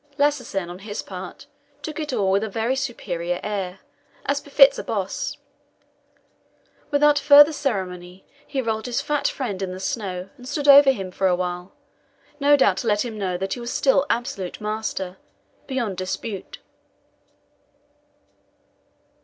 Lassesen, on his part, took it all with a very superior air, as befits a boss. Without further ceremony, he rolled his fat friend in the snow and stood over him for a while no doubt to let him know that he was still absolute master, beyond dispute.